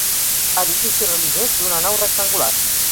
Edifici religiós d'una nau rectangular.